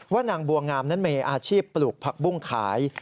นางบัวงามนั้นมีอาชีพปลูกผักบุ้งขาย